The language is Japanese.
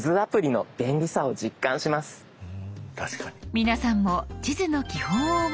皆さんも地図の基本を覚えましょう。